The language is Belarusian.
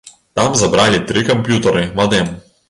Там забралі тры камп'ютары і мадэм.